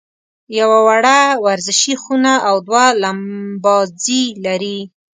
یوه وړه ورزشي خونه او دوه لمباځي لري.